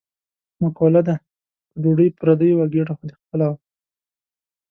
مقوله ده: که ډوډۍ پردۍ وه ګېډه خو دې خپله وه.